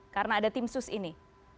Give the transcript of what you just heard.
karena ada tim sus ini